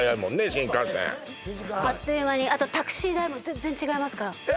新幹線あっという間にあとタクシー代も全然違いますからえ？